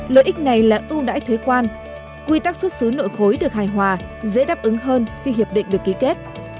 lợi ích này là ưu đãi thuế quan quy tắc xuất xứ nội khối được hài hòa dễ đáp ứng hơn khi hiệp định được ký kết